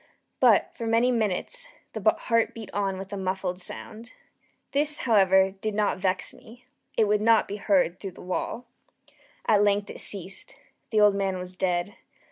But, for many minutes, the heart beat on with a muffled sound. This, however, did not vex me; it would not be heard through the wall. At length it ceased. The old man was dead.